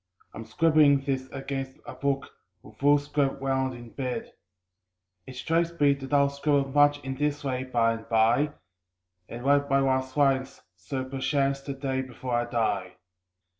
I'm scribbling this against a book, with foolscap round, in bed. It strikes me that I'll scribble much in this way by and by, And write my last lines so perchance the day before I die.